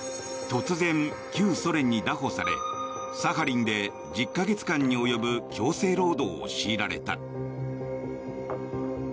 突然、旧ソ連にだ捕されサハリンで１０か月間に及ぶ強制労働を強いられた。